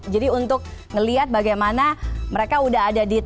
jadi untuk ngelihat bagaimana mereka udah ada di sana